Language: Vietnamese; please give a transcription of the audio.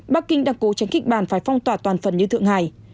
bắc kinh đang cố tránh kích bàn phải phong tỏa toàn phần như tượng hải